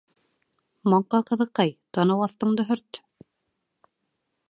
— Маңҡа ҡыҙыҡай, танау аҫтыңды һөрт!